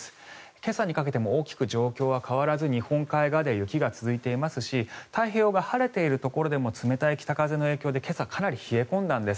今朝にかけても大きく状況は変わらず日本海側では雪が続いていますし太平洋側、晴れているところでも冷たい北風の影響で今朝、かなり冷え込んだんです。